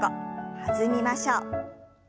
弾みましょう。